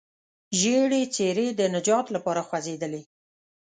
ژېړې څېرې د نجات لپاره خوځېدلې.